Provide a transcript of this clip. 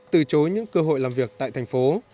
từ chối những cơ hội làm việc tại thành phố